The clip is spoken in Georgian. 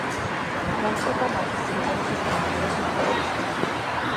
მომწონდა მათი სიმღერების გააზრებული ტექსტი.